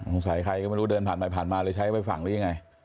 ใครก็ไม่รู้เดินผ่านไปผ่านมาเลยใช้ไปฝั่งหรือยังไง